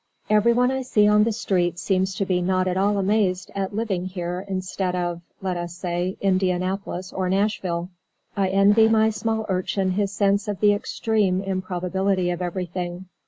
Everyone I see on the streets seems to be not at all amazed at living here instead of (let us say) Indianapolis or Nashville. I envy my small Urchin his sense of the extreme improbability of everything.